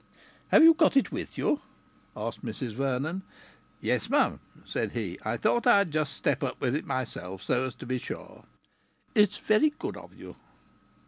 "Have you got it with you?" asked Mrs Vernon. "Yes'm," said he. "I thought I'd just step up with it myself, so as to be sure." "It's very good of you!"